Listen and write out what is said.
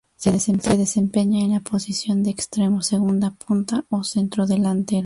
Se desempeña en la posición de extremo, segunda punta o centrodelantero.